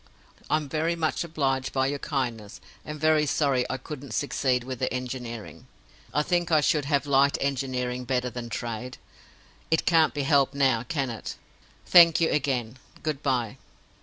I'm very much obliged by your kindness, and very sorry I couldn't succeed with the engineering. I think I should have liked engineering better than trade. It can't be helped now, can it? Thank you, again. Good by."